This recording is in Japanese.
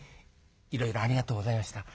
いろいろありがとうございました。